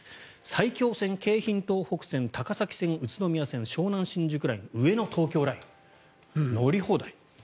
埼京線、京浜東北線、高崎線宇都宮線湘南新宿ライン、上野東京ライン乗り放題。